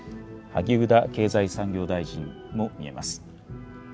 萩生田経済産業大臣も見えます。